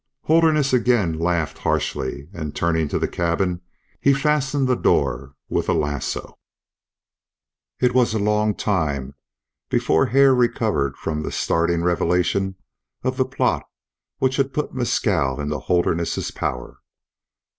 Holderness again laughed harshly, and turning to the cabin, he fastened the door with a lasso. It was a long time before Hare recovered from the startling revelation of the plot which had put Mescal into Holderness's power.